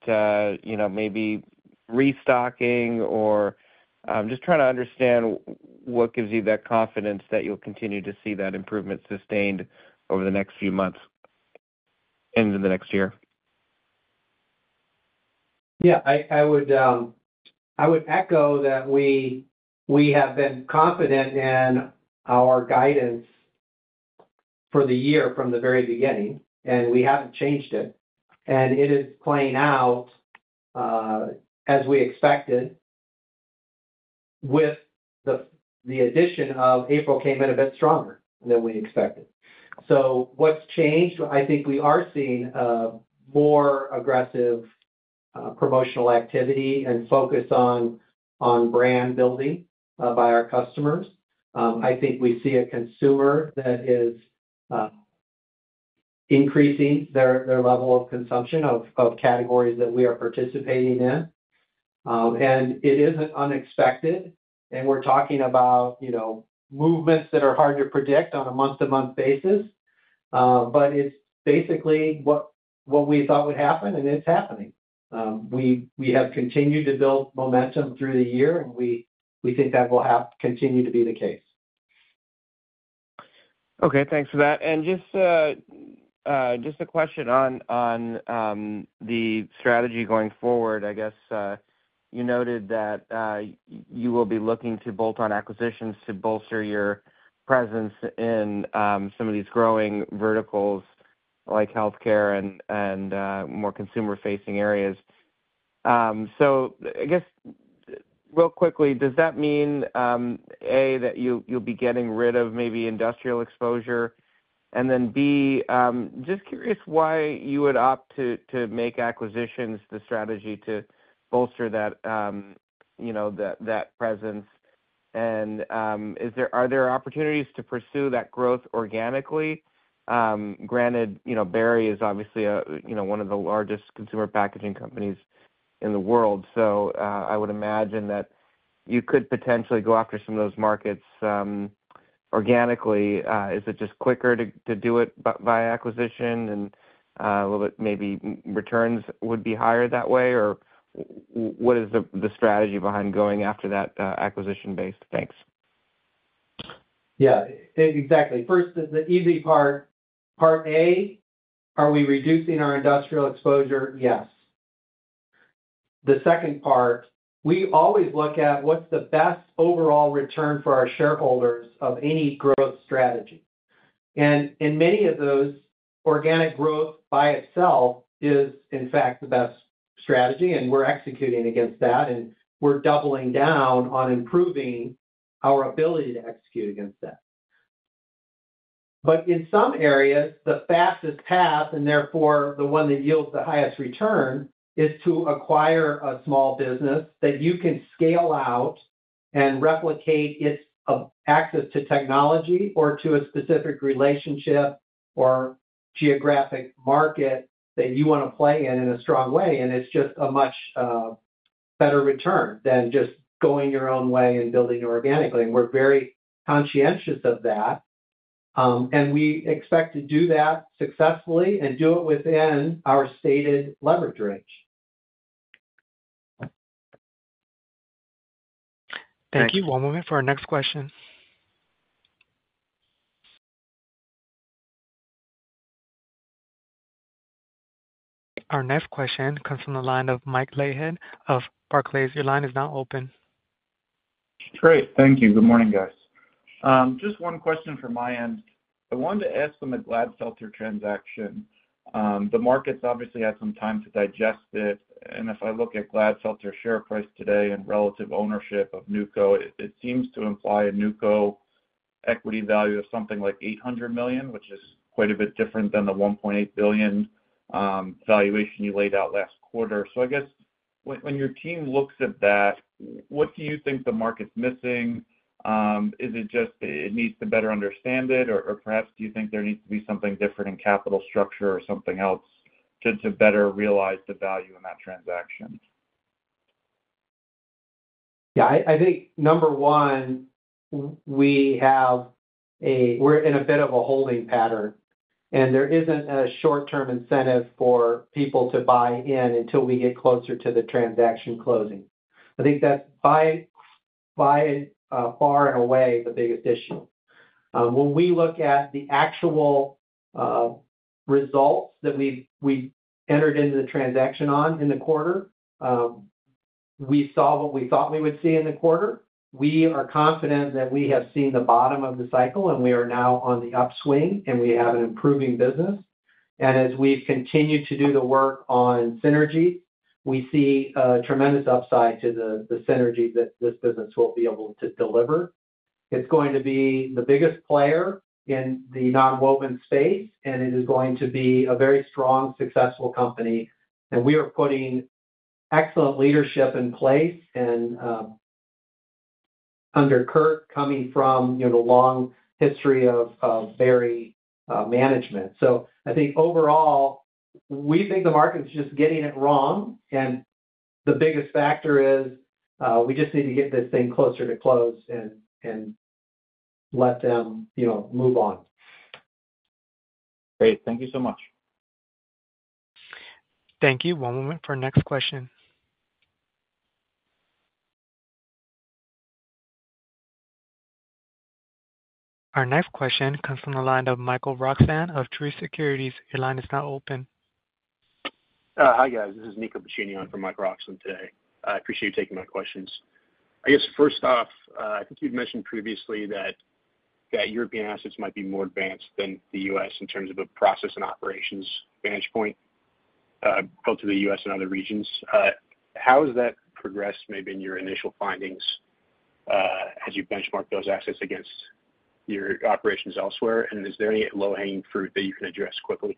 maybe restocking? Or I'm just trying to understand what gives you that confidence that you'll continue to see that improvement sustained over the next few months into the next year. Yeah. I would echo that we have been confident in our guidance for the year from the very beginning, and we haven't changed it. And it is playing out as we expected, with the addition of April came in a bit stronger than we expected. So what's changed? I think we are seeing more aggressive promotional activity and focus on brand building by our customers. I think we see a consumer that is increasing their level of consumption of categories that we are participating in. And it isn't unexpected. And we're talking about movements that are hard to predict on a month-to-month basis. But it's basically what we thought would happen, and it's happening. We have continued to build momentum through the year, and we think that will continue to be the case. Okay. Thanks for that. And just a question on the strategy going forward. I guess you noted that you will be looking to bolt-on acquisitions to bolster your presence in some of these growing verticals like healthcare and more consumer-facing areas. So I guess, real quickly, does that mean, A, that you'll be getting rid of maybe industrial exposure? And then, B, just curious why you would opt to make acquisitions the strategy to bolster that presence. And are there opportunities to pursue that growth organically? Granted, Berry is obviously one of the largest consumer packaging companies in the world. So I would imagine that you could potentially go after some of those markets organically. Is it just quicker to do it via acquisition, and maybe returns would be higher that way? Or what is the strategy behind going after that acquisition-based? Thanks. Yeah. Exactly. First, the easy part. Part A, are we reducing our industrial exposure? Yes. The second part, we always look at what's the best overall return for our shareholders of any growth strategy. And in many of those, organic growth by itself is, in fact, the best strategy, and we're executing against that. And we're doubling down on improving our ability to execute against that. But in some areas, the fastest path, and therefore the one that yields the highest return, is to acquire a small business that you can scale out and replicate its access to technology or to a specific relationship or geographic market that you want to play in in a strong way. And it's just a much better return than just going your own way and building organically. And we're very conscientious of that. And we expect to do that successfully and do it within our stated leverage range. Thank you. One moment for our next question. Our next question comes from the line of Michael Leithead of Barclays. Your line is now open. Great. Thank you. Good morning, guys. Just one question from my end. I wanted to ask from the Glatfelter transaction. The market's obviously had some time to digest it. And if I look at Glatfelter share price today and relative ownership of NewCo, it seems to imply a NewCo equity value of something like $800 million, which is quite a bit different than the $1.8 billion valuation you laid out last quarter. So I guess when your team looks at that, what do you think the market's missing? Is it just it needs to better understand it? Or perhaps do you think there needs to be something different in capital structure or something else to better realize the value in that transaction? Yeah. I think, number one, we're in a bit of a holding pattern, and there isn't a short-term incentive for people to buy in until we get closer to the transaction closing. I think that's, by far and away, the biggest issue. When we look at the actual results that we entered into the transaction on in the quarter, we saw what we thought we would see in the quarter. We are confident that we have seen the bottom of the cycle, and we are now on the upswing, and we have an improving business. And as we've continued to do the work on synergies, we see a tremendous upside to the synergy that this business will be able to deliver. It's going to be the biggest player in the non-woven space, and it is going to be a very strong, successful company. And we are putting excellent leadership in place under Curt, coming from the long history of Baird management. So I think, overall, we think the market's just getting it wrong. And the biggest factor is we just need to get this thing closer to close and let them move on. Great. Thank you so much. Thank you. One moment for our next question. Our next question comes from the line of Michael Roxland of Truist Securities. Your line is now open. Hi, guys. This is Nico Bacinello from Michael Roxland today. I appreciate you taking my questions. I guess, first off, I think you'd mentioned previously that European assets might be more advanced than the U.S. in terms of a process and operations vantage point relative to the U.S. and other regions. How has that progressed, maybe, in your initial findings as you benchmark those assets against your operations elsewhere? And is there any low-hanging fruit that you can address quickly?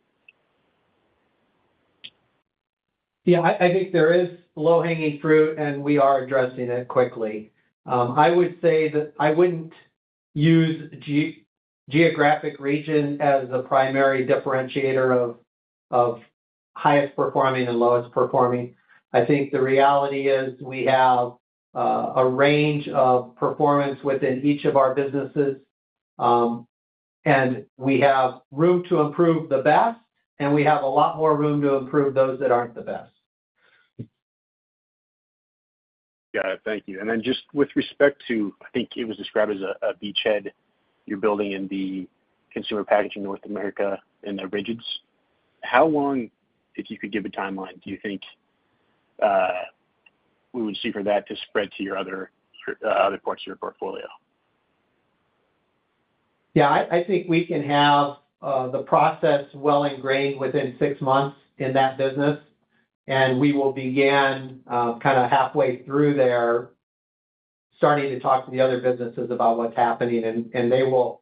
Yeah. I think there is low-hanging fruit, and we are addressing it quickly. I would say that I wouldn't use geographic region as the primary differentiator of highest performing and lowest performing. I think the reality is we have a range of performance within each of our businesses, and we have room to improve the best, and we have a lot more room to improve those that aren't the best. Got it. Thank you. And then just with respect to I think it was described as a beachhead you're building in the Consumer Packaging North America in the Rigids. How long, if you could give a timeline, do you think we would see for that to spread to your other parts of your portfolio? Yeah. I think we can have the process well ingrained within six months in that business. And we will begin kind of halfway through there starting to talk to the other businesses about what's happening. And they will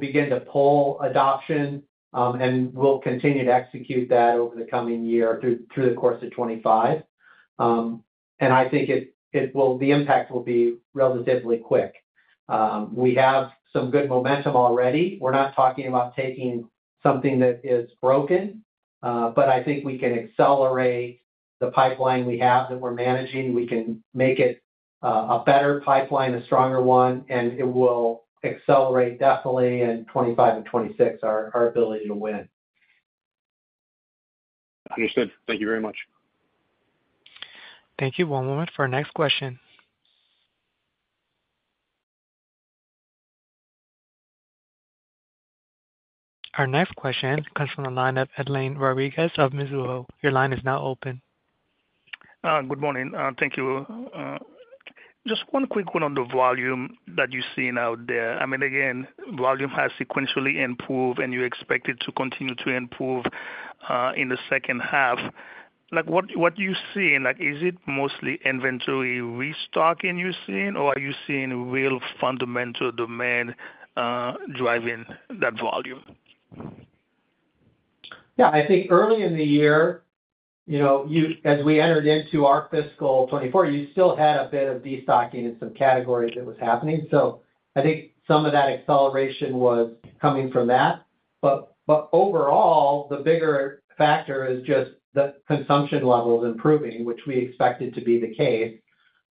begin to pull adoption, and we'll continue to execute that over the coming year through the course of 2025. And I think the impact will be relatively quick. We have some good momentum already. We're not talking about taking something that is broken. But I think we can accelerate the pipeline we have that we're managing. We can make it a better pipeline, a stronger one. And it will accelerate, definitely, in 2025 and 2026, our ability to win. Understood. Thank you very much. Thank you. One moment for our next question. Our next question comes from the line of Edlain Rodriguez of Mizuho. Your line is now open. Good morning. Thank you. Just one quick one on the volume that you're seeing out there. I mean, again, volume has sequentially improved, and you expect it to continue to improve in the second half. What you're seeing, is it mostly inventory restocking you're seeing, or are you seeing real fundamental demand driving that volume? Yeah. I think early in the year, as we entered into our fiscal 2024, you still had a bit of destocking in some categories that was happening. So I think some of that acceleration was coming from that. But overall, the bigger factor is just the consumption levels improving, which we expected to be the case.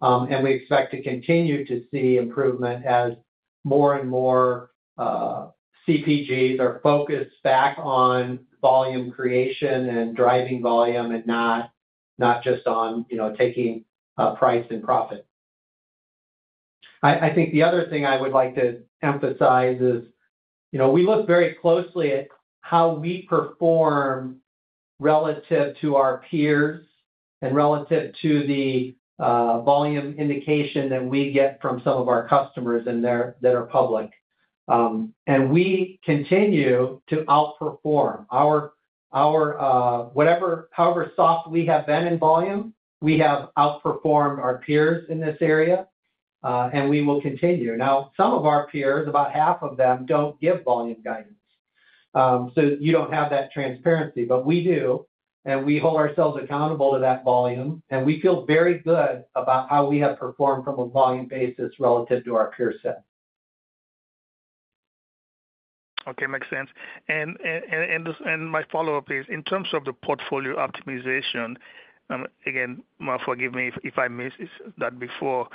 And we expect to continue to see improvement as more and more CPGs are focused back on volume creation and driving volume and not just on taking price and profit. I think the other thing I would like to emphasize is we look very closely at how we perform relative to our peers and relative to the volume indication that we get from some of our customers that are public. And we continue to outperform. However soft we have been in volume, we have outperformed our peers in this area, and we will continue. Now, some of our peers, about half of them, don't give volume guidance. You don't have that transparency. We do, and we hold ourselves accountable to that volume. We feel very good about how we have performed from a volume basis relative to our peer set. Okay. Makes sense. And my follow-up is, in terms of the portfolio optimization again, forgive me if I missed that before.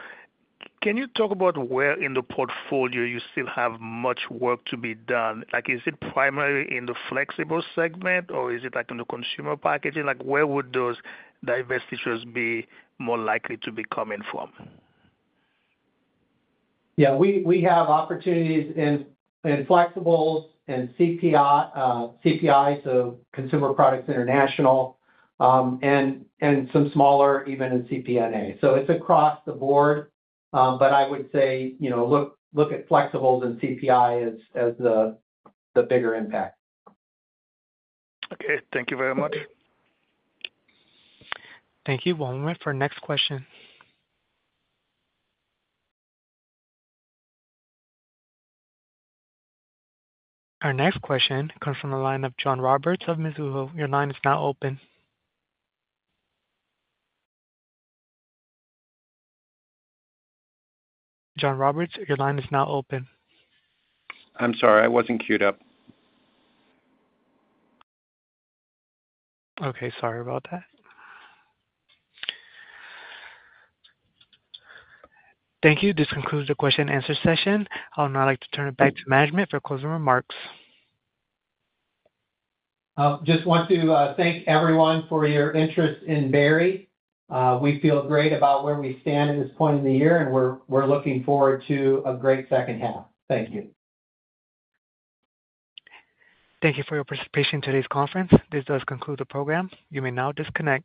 Can you talk about where in the portfolio you still have much work to be done? Is it primarily in the flexible segment, or is it in the consumer packaging? Where would those divestitures be more likely to be coming from? Yeah. We have opportunities in Flexibles and CPI, so Consumer Packaging International, and some smaller even in CPNA. So it's across the board. But I would say look at Flexibles and CPI as the bigger impact. Okay. Thank you very much. Thank you. One moment for our next question. Our next question comes from the line of John Roberts of Mizuho. Your line is now open. John Roberts, your line is now open. I'm sorry. I wasn't queued up. Okay. Sorry about that. Thank you. This concludes the question-and-answer session. I would now like to turn it back to management for closing remarks. Just want to thank everyone for your interest in Berry. We feel great about where we stand at this point in the year, and we're looking forward to a great second half. Thank you. Thank you for your participation in today's conference. This does conclude the program. You may now disconnect.